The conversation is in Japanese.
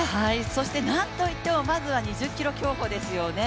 そしてなんといってもまずは２０ｋｍ競歩ですよね。